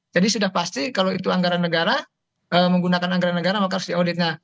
jadi sudah pasti kalau itu anggaran negara menggunakan anggaran negara maka harus diauditnya